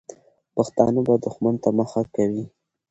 پښتانه به دښمن ته مخه کوي.